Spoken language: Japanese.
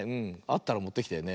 あったらもってきて。